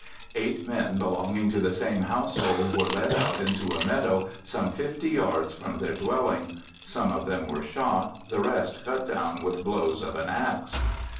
Eight men belonging to the same household were led out into a meadow some 50 yards from their dwelling, some of them were shot, the rest cut down with blows of an axe.